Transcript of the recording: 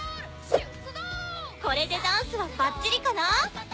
これでダンスはバッチリかな？